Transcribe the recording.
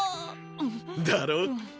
だろ！？